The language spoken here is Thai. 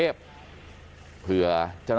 ศพที่สอง